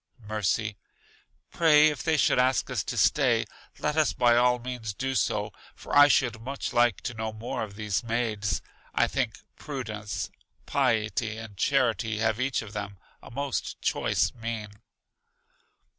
Mercy: Pray, if they should ask us to stay, let us by all means do so; for I should much like to know more of these maids. I think Prudence, Piety, and Charity have, each of them, a most choice mien.